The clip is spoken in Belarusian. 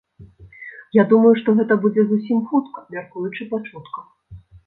Я думаю, што гэта будзе зусім хутка, мяркуючы па чутках.